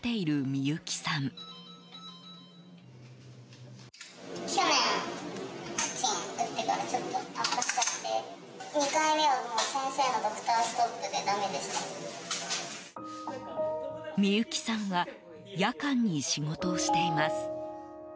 ミユキさんは夜間に仕事をしています。